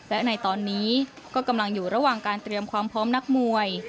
และในตอนนี้ก็กำลังอยู่ระหว่างการเตรียมความพร้อมนักมวย